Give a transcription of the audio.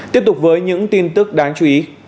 tiếp tục với những tin tức đáng chú ý